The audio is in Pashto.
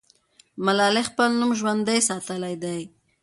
ملالۍ خپل نوم ژوندی ساتلی دی.